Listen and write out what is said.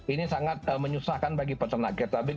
ini sangat menyusahkan bagi peternak ketabik